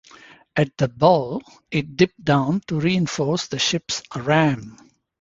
At the bow it dipped down to reinforce the ship's ram.